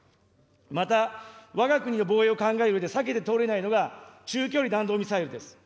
また、わが国の防衛を考えるうえで避けて通れないのが、中距離弾道ミサイルです。